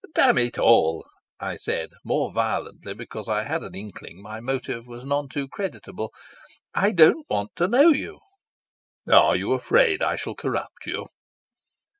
"Damn it all," I said, more violently because I had an inkling my motive was none too creditable, "I don't want to know you." "Are you afraid I shall corrupt you?"